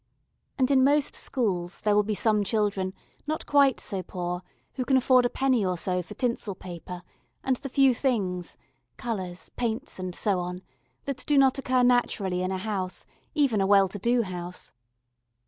And in most schools there will be some children not quite so poor who can afford a penny or so for tinsel paper and the few things colours, paints, and so on that do not occur naturally in a house, even a well to do house.